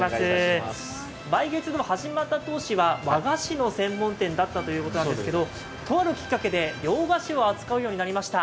梅月堂始まった当初は和菓子の専門店だったということなんですけどとあるきっかけで、洋菓子を扱うようになりました。